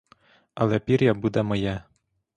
Але пір'я буде моє.